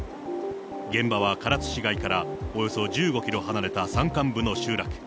現場は唐津市街からおよそ１５キロ離れた山間部の集落。